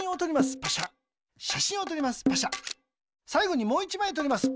さいごにもう１まいとります。